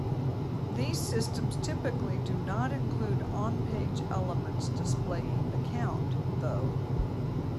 These systems typically do not include on-page elements displaying the count, though.